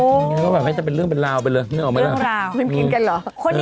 โอ้อย่างงี้ก็แบบจะเป็นเรื่องเป็นราวไปเลยไม่เอาไหมละเพื่อนกินกันเหรอ